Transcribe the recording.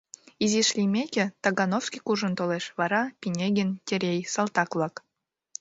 Изиш лиймеке, Тагановский куржын толеш, вара — Пинегин, Терей, салтак-влак.